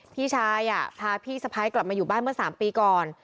พี่ชายพาพี่สะพ้ายกลับมาอยู่บ้านเมื่อ๓ปีก่อน